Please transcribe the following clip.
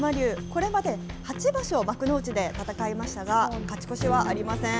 これまで８場所、幕内で戦いましたが、勝ち越しはありません。